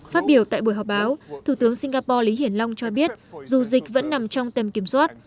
phát biểu tại buổi họp báo thủ tướng singapore lý hiển long cho biết dù dịch vẫn nằm trong tầm kiểm soát